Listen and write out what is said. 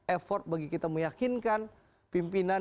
effort bagi kita meyakinkan pimpinan